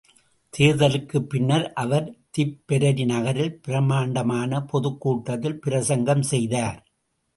தேர்தலுக்குப் பின்னர் அவர் திப்பெரரி நகரில் பிரமாண்டமான பொதுக்கூட்டத்தில் பிரசங்கம் செய்தார்.